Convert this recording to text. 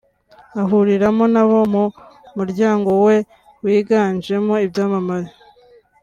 ahuriramo n’abo mu muryango we wiganjemo ibyamamare